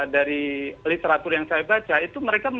dari literatur yang saya baca itu mereka